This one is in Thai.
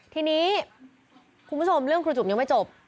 ทีนี้คุณผู้ชมเรื่องครูจุ๋มยังไม่จบ